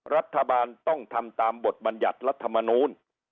รัฐบาลต้องทำตามบทบรรยัติรัฐมนูล